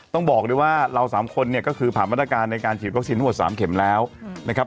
ต้องบอกเลยว่าเรา๓คนเนี่ยก็คือผ่านมาตรการในการฉีดวัคซีนทั้งหมด๓เข็มแล้วนะครับ